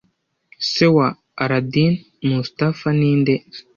Se wa Aladdin Mustapha ninde